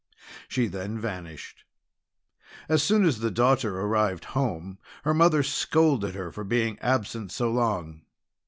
She then vanished. As soon as the daughter arrived at home, her mother scolded her for being absent so long.